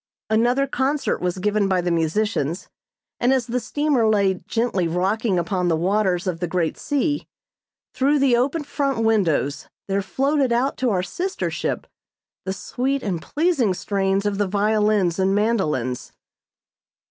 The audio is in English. Another concert was given by the musicians, and as the steamer lay gently rocking upon the waters of the great sea, through the open front windows there floated out to our sister ship the sweet and pleasing strains of the violins and mandolins.